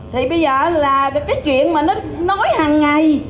thì bây giờ là cái chuyện mà nó nói hàng ngày